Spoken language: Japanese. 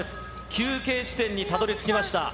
休憩地点にたどりつきました。